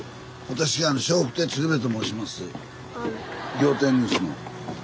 「仰天ニュース」の。